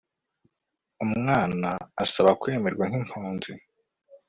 umwana usaba kwemerwa nk'impunzi